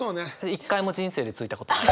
一回も人生でついたことない。